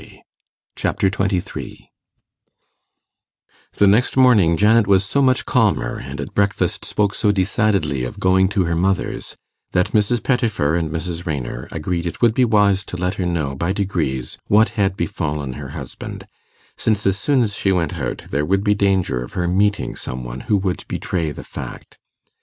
Chapter 23 The next morning Janet was so much calmer, and at breakfast spoke so decidedly of going to her mother's, that Mrs. Pettifer and Mrs. Raynor agreed it would be wise to let her know by degrees what had befallen her husband, since as soon as she went out there would be danger of her meeting some one who would betray the fact.